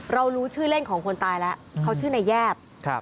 รู้ชื่อเล่นของคนตายแล้วเขาชื่อนายแยบ